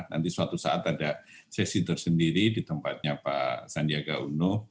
nanti suatu saat ada sesi tersendiri di tempatnya pak sandiaga uno